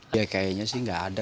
ya kayaknya sih nggak ada